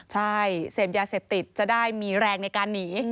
ใช่เสพยาเสพติดจะได้มีแรงในการหนี